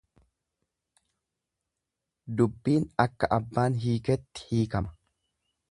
Dubbiin akka abbaan hiiketti hiikama.